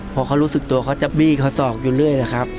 พอเขารู้สึกตัวเขาจะบี้เขาศอกอยู่เรื่อยนะครับ